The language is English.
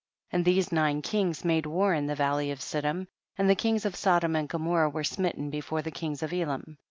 4. And these nine kings made war in the valley of Siddim ; and the kings of Sodom and Gomorrah were smitten before the kings of Elam.